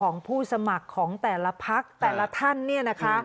ของผู้สมัครของแต่ละพักแต่ละท่านเนี่ยนะคะ